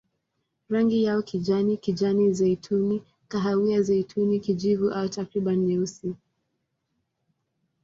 Rangi yao kijani, kijani-zeituni, kahawia-zeituni, kijivu au takriban nyeusi.